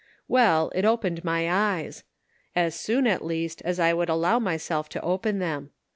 Well, it opened my eyes. As soon, at least, as I would allow myself to open them.